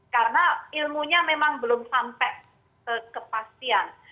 karena ilmunya memang belum sampai ke kepastian